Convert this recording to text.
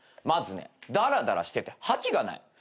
まずねだらだらしてて覇気がない。